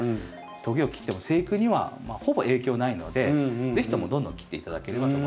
トゲを切っても生育にはほぼ影響ないので是非ともどんどん切って頂ければと思います。